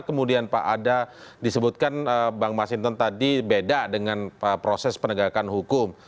kemudian pak ada disebutkan bang mas hinton tadi beda dengan proses penegakan hukum